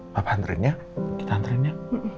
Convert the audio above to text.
papa antriinnya kita antriinnya